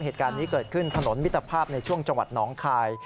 เหตุการณ์นี้เกิดขึ้นถนนมิตรภาพในช่วงจังหวัดน้องคาย